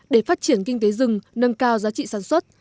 để phát triển kinh tế rừng nâng cao giá trị sản xuất